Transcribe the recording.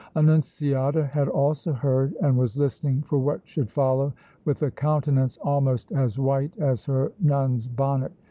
Annunziata had also heard and was listening for what should follow with a countenance almost as white as her nun's bonnet.